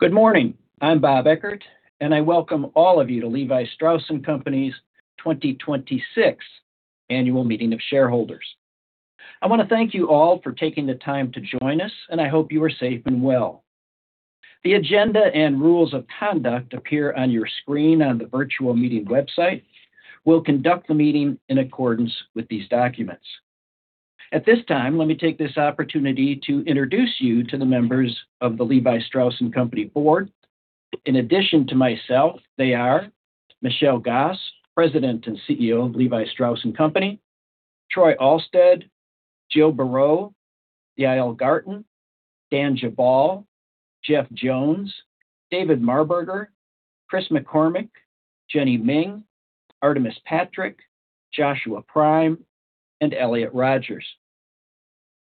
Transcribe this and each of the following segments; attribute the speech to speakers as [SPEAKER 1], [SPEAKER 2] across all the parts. [SPEAKER 1] Good morning. I'm Bob Eckert, and I welcome all of you to Levi Strauss & Company's 2026 annual meeting of shareholders. I want to thank you all for taking the time to join us, and I hope you are safe and well. The agenda and rules of conduct appear on your screen on the virtual meeting website. We'll conduct the meeting in accordance with these documents. At this time, let me take this opportunity to introduce you to the members of the Levi Strauss & Company board. In addition to myself, they are Michelle Gass, President and CEO of Levi Strauss & Company, Troy Alstead, Jill Beraud, Yael Garten, Dan Geballe, Jeff Jones, David Marberger, Chris McCormick, Jenny Ming, Artemis Patrick, Joshua Prime, and Elliott Rodgers.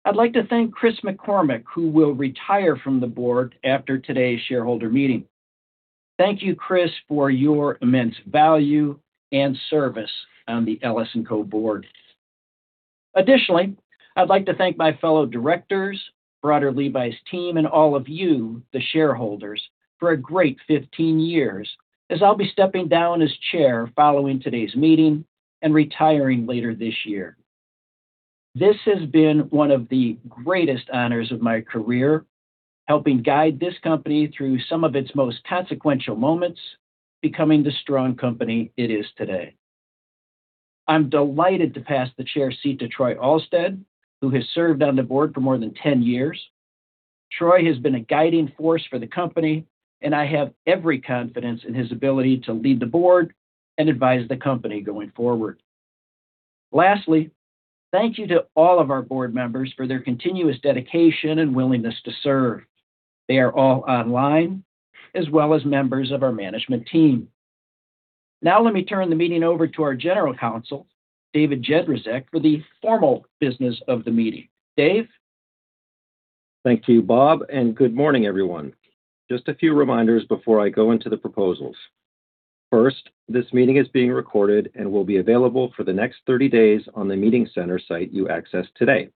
[SPEAKER 1] I'd like to thank Chris McCormick, who will retire from the board after today's shareholder meeting. Thank you, Chris, for your immense value and service on the LS&Co. board. Additionally, I'd like to thank my fellow directors, broader Levi's team, and all of you, the shareholders, for a great 15 years, as I'll be stepping down as chair following today's meeting and retiring later this year. This has been one of the greatest honors of my career, helping guide this company through some of its most consequential moments, becoming the strong company it is today. I'm delighted to pass the chair seat to Troy Alstead, who has served on the board for more than 10 years. Troy has been a guiding force for the company, and I have every confidence in his ability to lead the board and advise the company going forward. Lastly, thank you to all of our board members for their continuous dedication and willingness to serve. They are all online, as well as members of our management team. Now, let me turn the meeting over to our general counsel, David Jedrzejek, for the formal business of the meeting. Dave?
[SPEAKER 2] Thank you, Bob, and good morning, everyone. Just a few reminders before I go into the proposals. First, this meeting is being recorded and will be available for the next 30 days on the meeting center site you accessed today.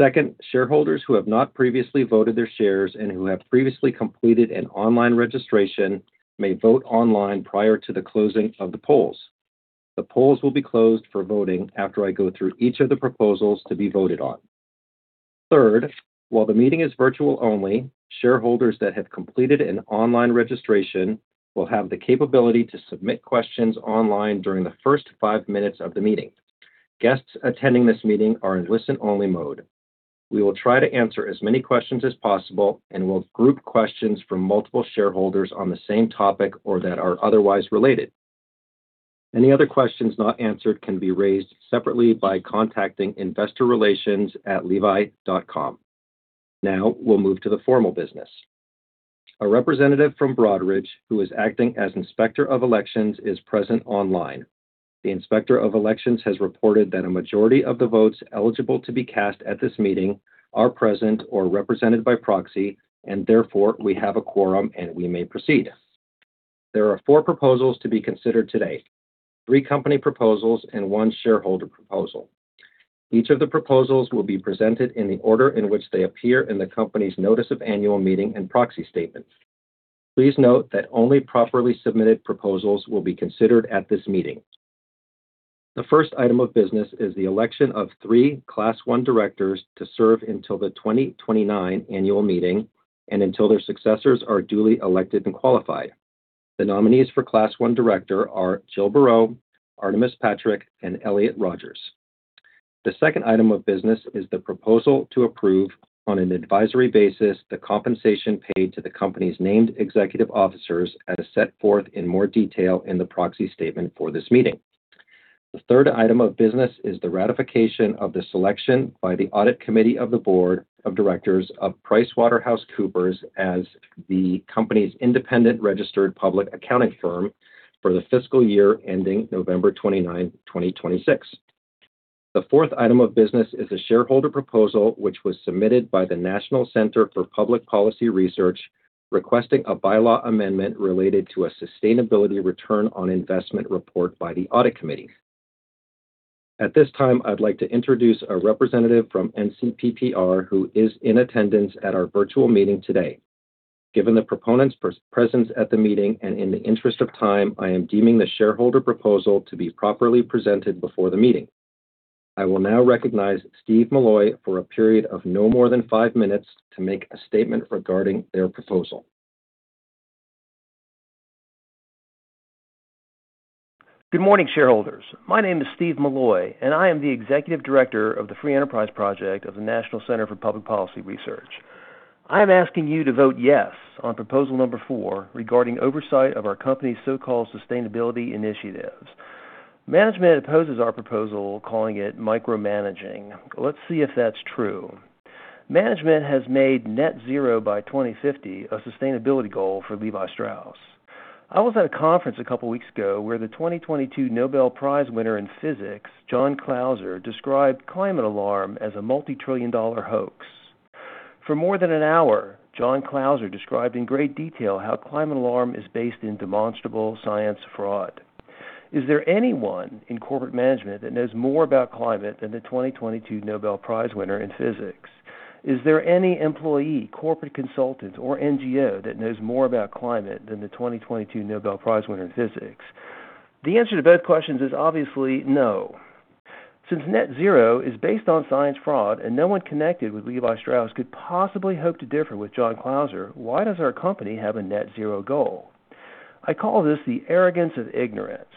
[SPEAKER 2] Second, shareholders who have not previously voted their shares and who have previously completed an online registration may vote online prior to the closing of the polls. The polls will be closed for voting after I go through each of the proposals to be voted on. Third, while the meeting is virtual only, shareholders that have completed an online registration will have the capability to submit questions online during the first five minutes of the meeting. Guests attending this meeting are in listen-only mode. We will try to answer as many questions as possible and will group questions from multiple shareholders on the same topic or that are otherwise related. Any other questions not answered can be raised separately by contacting investorrelations@levi.com. Now, we'll move to the formal business. A representative from Broadridge, who is acting as Inspector of Elections, is present online. The Inspector of Elections has reported that a majority of the votes eligible to be cast at this meeting are present or represented by proxy, and therefore we have a quorum and we may proceed. There are four proposals to be considered today, three company proposals and one shareholder proposal. Each of the proposals will be presented in the order in which they appear in the company's notice of annual meeting and proxy statement. Please note that only properly submitted proposals will be considered at this meeting. The first item of business is the election of three Class One directors to serve until the 2029 annual meeting and until their successors are duly elected and qualified. The nominees for Class One director are Jill Beraud, Artemis Patrick, and Elliott Rodgers. The second item of business is the proposal to approve, on an advisory basis, the compensation paid to the company's named executive officers as set forth in more detail in the proxy statement for this meeting. The third item of business is the ratification of the selection by the audit committee of the board of directors of PricewaterhouseCoopers as the company's independent registered public accounting firm for the fiscal year ending November 29, 2026. The fourth item of business is a shareholder proposal, which was submitted by the National Center for Public Policy Research, requesting a bylaw amendment related to a sustainability return on investment report by the audit committee. At this time, I'd like to introduce a representative from NCPPR who is in attendance at our virtual meeting today. Given the proponent's presence at the meeting and in the interest of time, I am deeming the shareholder proposal to be properly presented before the meeting. I will now recognize Steve Milloy for a period of no more than five minutes to make a statement regarding their proposal.
[SPEAKER 3] Good morning, shareholders. My name is Steve Milloy, and I am the Executive Director of the Free Enterprise Project of the National Center for Public Policy Research. I am asking you to vote yes on proposal number four regarding oversight of our company's so-called sustainability initiatives. Management opposes our proposal, calling it micromanaging. Let's see if that's true. Management has made net zero by 2050 a sustainability goal for Levi Strauss. I was at a conference a couple of weeks ago where the 2022 Nobel Prize winner in physics, John Clauser, described climate alarm as a multi-trillion dollar hoax. For more than an hour, John Clauser described in great detail how climate alarm is based in demonstrable science fraud. Is there anyone in corporate management that knows more about climate than the 2022 Nobel Prize winner in physics? Is there any employee, corporate consultant, or NGO that knows more about climate than the 2022 Nobel Prize winner in physics? The answer to both questions is obviously no. Since net zero is based on science fraud, and no one connected with Levi Strauss could possibly hope to differ with John Clauser, why does our company have a net zero goal? I call this the arrogance of ignorance.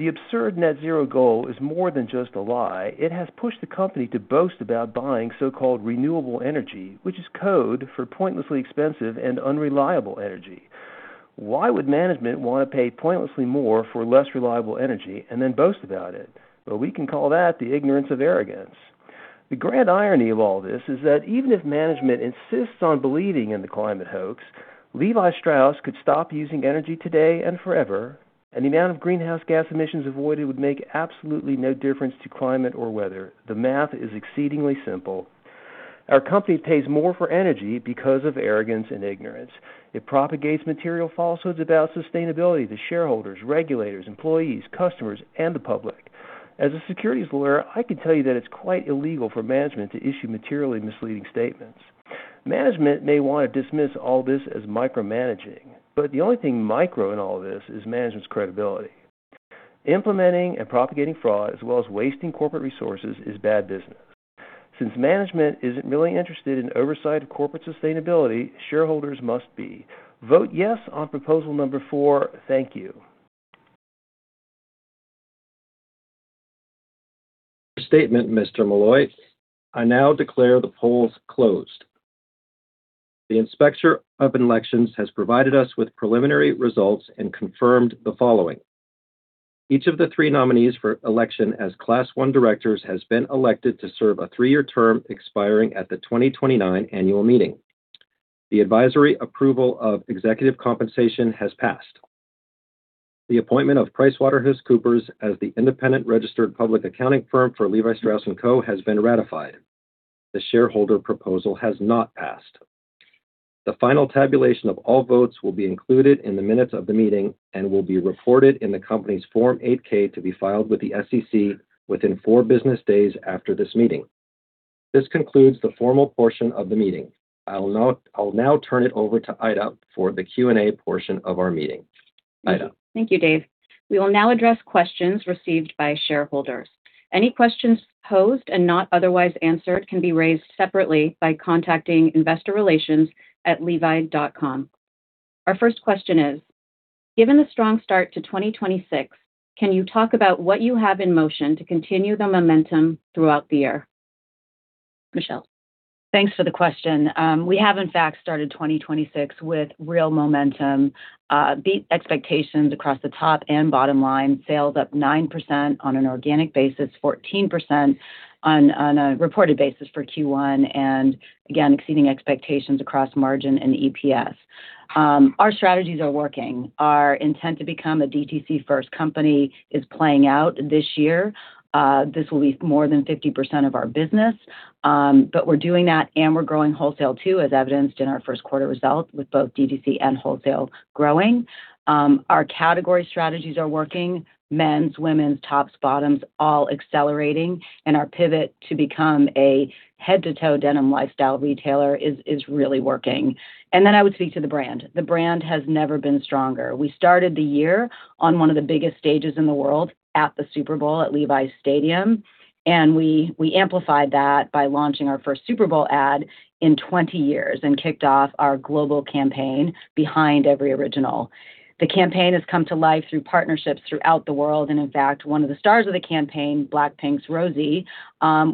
[SPEAKER 3] The absurd net zero goal is more than just a lie. It has pushed the company to boast about buying so-called renewable energy, which is code for pointlessly expensive and unreliable energy. Why would management want to pay pointlessly more for less reliable energy and then boast about it? Well, we can call that the ignorance of arrogance. The grand irony of all this is that even if management insists on believing in the climate hoax, Levi Strauss could stop using energy today and forever, and the amount of greenhouse gas emissions avoided would make absolutely no difference to climate or weather. The math is exceedingly simple. Our company pays more for energy because of arrogance and ignorance. It propagates material falsehoods about sustainability to shareholders, regulators, employees, customers, and the public. As a securities lawyer, I can tell you that it's quite illegal for management to issue materially misleading statements. Management may want to dismiss all this as micromanaging, but the only thing micro in all of this is management's credibility. Implementing and propagating fraud as well as wasting corporate resources is bad business. Since management isn't really interested in oversight of corporate sustainability, shareholders must be. Vote yes on proposal number 4. Thank you.
[SPEAKER 2] Statement, Mr. Milloy. I now declare the polls closed. The Inspector of Elections has provided us with preliminary results and confirmed the following. Each of the three nominees for election as Class One directors has been elected to serve a three-year term expiring at the 2029 annual meeting. The advisory approval of executive compensation has passed. The appointment of PricewaterhouseCoopers as the independent registered public accounting firm for Levi Strauss & Co. has been ratified. The shareholder proposal has not passed. The final tabulation of all votes will be included in the minutes of the meeting and will be reported in the company's Form 8-K to be filed with the SEC within four business days after this meeting. This concludes the formal portion of the meeting. I'll now turn it over to Aida for the Q&A portion of our meeting. Aida.
[SPEAKER 4] Thank you, Dave. We will now address questions received by shareholders. Any questions posed and not otherwise answered can be raised separately by contacting investorrelations@levi.com. Our first question is, given the strong start to 2026, can you talk about what you have in motion to continue the momentum throughout the year? Michelle.
[SPEAKER 5] Thanks for the question. We have, in fact, started 2026 with real momentum. Beat expectations across the top and bottom line. Sales up 9% on an organic basis, 14% on a reported basis for Q1, and again, exceeding expectations across margin and EPS. Our strategies are working. Our intent to become a DTC-first company is playing out this year. This will be more than 50% of our business, but we're doing that, and we're growing wholesale too, as evidenced in our first quarter results with both DTC and wholesale growing. Our category strategies are working. Men's, women's, tops, bottoms, all accelerating, and our pivot to become a head-to-toe denim lifestyle retailer is really working. I would speak to the brand. The brand has never been stronger. We started the year on one of the biggest stages in the world at the Super Bowl at Levi's Stadium, and we amplified that by launching our first Super Bowl ad in 20 years and kicked off our global campaign, Behind Every Original. The campaign has come to life through partnerships throughout the world, and in fact, one of the stars of the campaign, BLACKPINK's Rosé,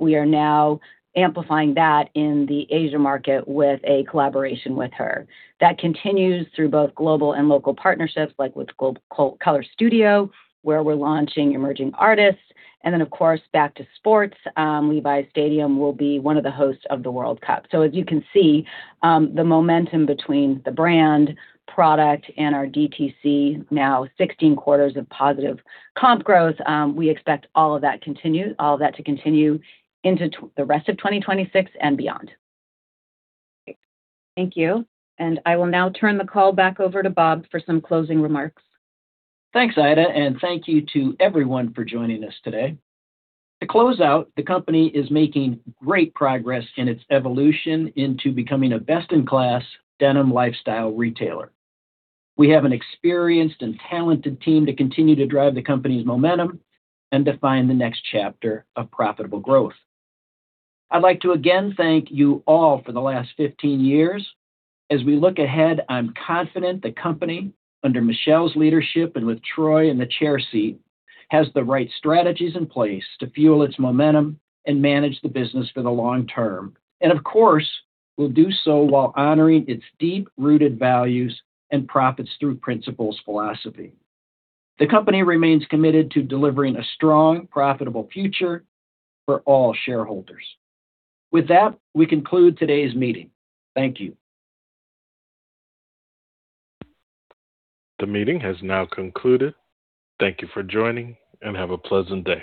[SPEAKER 5] we are now amplifying that in the Asia market with a collaboration with her. That continues through both global and local partnerships, like with COLORSxSTUDIOS, where we're launching emerging artists. Then, of course, back to sports. Levi's Stadium will be one of the hosts of the World Cup. As you can see, the momentum between the brand, product, and our DTC, now 16 quarters of positive comp growth. We expect all of that to continue into the rest of 2026 and beyond.
[SPEAKER 4] Thank you. I will now turn the call back over to Bob for some closing remarks.
[SPEAKER 1] Thanks, Aida, and thank you to everyone for joining us today. To close out, the company is making great progress in its evolution into becoming a best-in-class denim lifestyle retailer. We have an experienced and talented team to continue to drive the company's momentum and define the next chapter of profitable growth. I'd like to again thank you all for the last 15 years. As we look ahead, I'm confident the company, under Michelle's leadership and with Troy in the chair seat, has the right strategies in place to fuel its momentum and manage the business for the long term. Of course, will do so while honoring its deep-rooted values and profits through principles philosophy. The company remains committed to delivering a strong, profitable future for all shareholders. With that, we conclude today's meeting. Thank you.
[SPEAKER 6] The meeting has now concluded. Thank you for joining, and have a pleasant day.